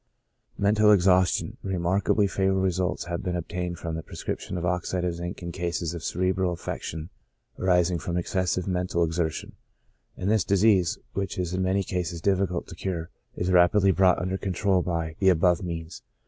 Mental Exhaustion .— Remarkably favorable results have bee n obtained from the prescription of oxide of zinc in cases of cerebral affection arising from excessive mental exertions : and this disease, which is in many cases difficult to cure, is rapidly brought under control by the above means.